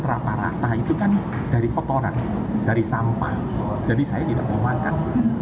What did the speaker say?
rata rata itu kan dari kotoran dari sampah jadi saya tidak mau makan